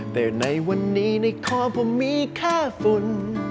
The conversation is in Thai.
แต่ในวันนี้ในคอผมมีค่าฝุ่น